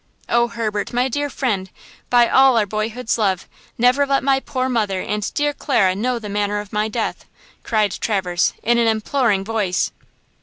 Oh, Herbert, my dear friend, by all our boyhood's love, never let my poor mother and dear Clara know the manner of my death!" cried Traverse, in an imploring voice.